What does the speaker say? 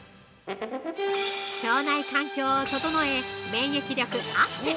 腸内環境を整え免疫力アップ。